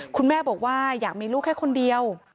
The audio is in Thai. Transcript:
คุณแม่บอกว่าอยากมีลูกแค่คนเดียว